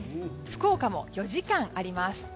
福岡も４時間あります。